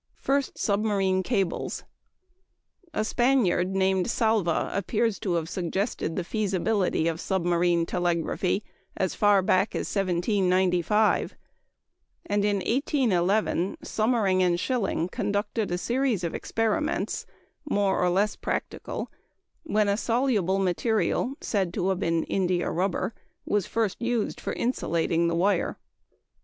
First Submarine Cables. A Spaniard named Salva appears to have suggested the feasibility of submarine telegraphy as far back as 1795, and in 1811 Sommering and Schilling conducted a series of experiments, more or less practical, when a soluble material said to have been india rubber was first used for insulating the wire.